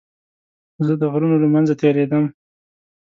زه د غرونو له منځه تېرېدم.